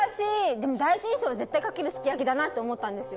でも第一印象は絶対かけるすき焼だと思ったんですよ。